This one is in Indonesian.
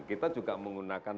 kita juga menggunakan